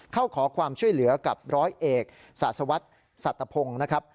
เข้าขอความช่วยเหลือกับร้อยเอกศาสวัสดิ์สัตวพงศ์นะครับ